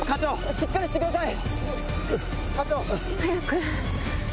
しっかりしてください！